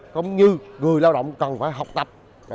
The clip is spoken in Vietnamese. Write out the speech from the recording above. không như người lao động cần phải học tập